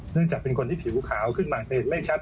จากเป็นคนที่ผิวขาวขึ้นมาจะเห็นไม่ชัด